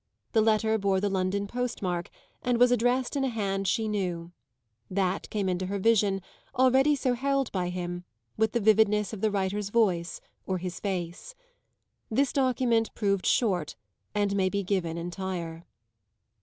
The letter bore the London postmark and was addressed in a hand she knew that came into her vision, already so held by him, with the vividness of the writer's voice or his face. This document proved short and may be given entire.